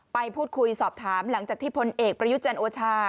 ไปพูดคุยสอบถามหลังจากที่พลเอกประยุจันทร์โอชา